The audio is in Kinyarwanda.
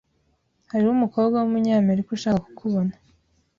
Hariho umukobwa wumunyamerika ushaka kukubona